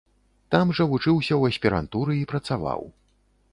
Там жа вучыўся ў аспірантуры і працаваў.